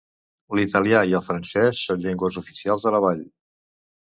L'italià i el francès són llengües oficials a la vall.